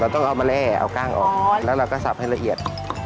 เราต้องเอามาแลเอาก้างออกเราก็สับให้ละเอียด